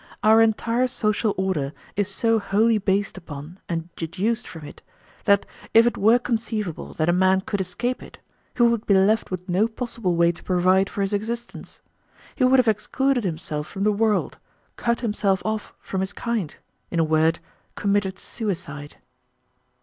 Our entire social order is so wholly based upon and deduced from it that if it were conceivable that a man could escape it, he would be left with no possible way to provide for his existence. He would have excluded himself from the world, cut himself off from his kind, in a word, committed suicide."